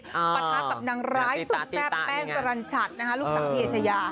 ประทากับนางร้ายสุดแม่แป้งสรรัญชัดลูกสาวพี่เอชยา